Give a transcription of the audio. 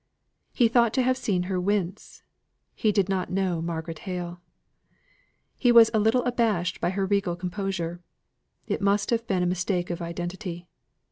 He thought to have seen her wince: he did not know Margaret Hale. He was a little abashed by her real composure. It must have been a mistake of identity.